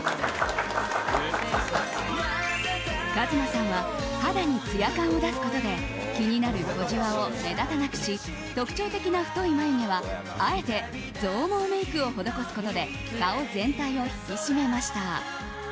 ＫＡＺＭＡさんは肌にツヤ感を出すことで気になる小じわを目立たなくし特徴的な太い眉毛はあえて増毛メイクを施すことで顔全体を引き締めました。